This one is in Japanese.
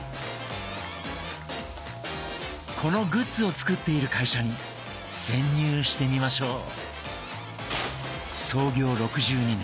このグッズを作っている会社に潜入してみましょう。